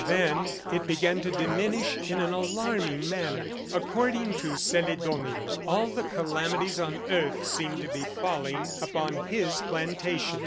Then it began to diminish in an alarming manner. According to Celedonio, all the calamities on earth seemed to be falling upon his plantation.